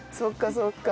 そうか。